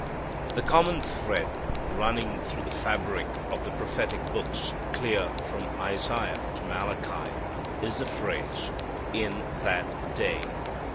The common thread running through the fabric of the prophetic books clear from Isaiah to Malachi is the phrase "in that day."